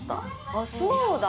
あっそうだ。